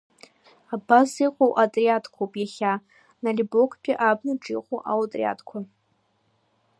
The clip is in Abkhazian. Абас иҟоу отриадқәоуп иахьа Налибоктәи абнаҿ иҟоу аотриадқәа.